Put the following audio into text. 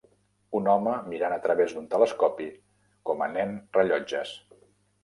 Un home mirant a través d'un telescopi com a nen rellotges